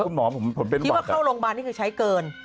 ผมเป็นบัตรอ่ะคิดว่าเข้าโรงพยาบาลนี่คือใช้เกิน